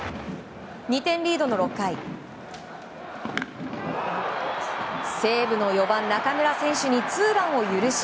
２点リードの６回西武の４番、中村選手にツーランを許し